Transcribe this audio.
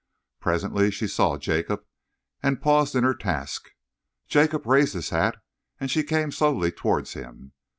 Presently she saw Jacob and paused in her task. Jacob raised his hat and she came slowly towards him.